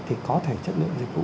thì có thể chất lượng dịch vụ